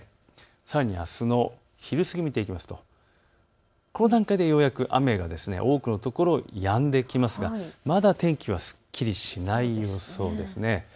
さらにあすの昼過ぎを見ていくとこの段階でようやく雨が多くの所、やんできますが、まだ天気はすっきりしない予想です。